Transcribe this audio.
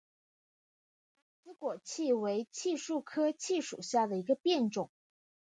小紫果槭为槭树科槭属下的一个变种。